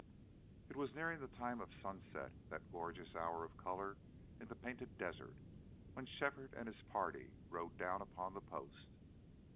It was nearing the time of sunset that gorgeous hour of color in the Painted Desert when Shefford and his party rode down upon the post.